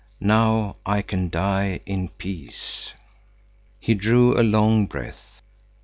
Now I can die in peace." He drew along breath.